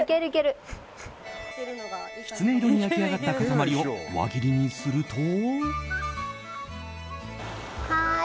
キツネ色に焼き上がった塊を輪切りにすると。